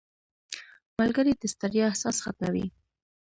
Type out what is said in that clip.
• ملګری د ستړیا احساس ختموي.